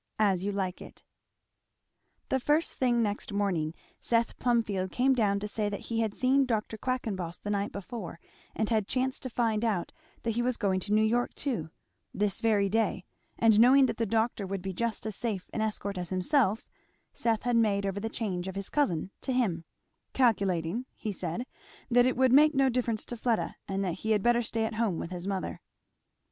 As You Like It. The first thing next morning Seth Plumfield came down to say that he had seen Dr. Quackenboss the night before and had chanced to find out that he was going to New York too, this very day; and knowing that the doctor would be just as safe an escort as himself, Seth had made over the charge of his cousin to him; "calculating," he said, "that it would make no difference to Fleda and that he had better stay at home with his mother."